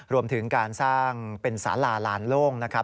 รวมถึงการสร้างเป็นสาราลานโล่งนะครับ